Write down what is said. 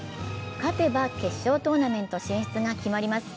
勝てば決勝トーナメント進出が決まります。